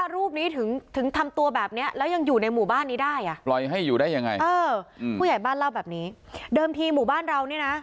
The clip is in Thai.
คือผมก็เมาครับคืนนั้นนะ